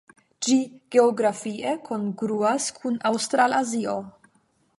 Ĝi geografie kongruas kun Aŭstralazio.